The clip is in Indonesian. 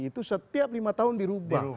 itu setiap lima tahun dirubah